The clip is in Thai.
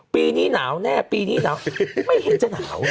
ปีนี้หนาวแน่ปีนี้หนาวไม่เห็นจะหนาว